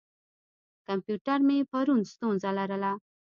کمپیوټر مې پرون ستونزه لرله.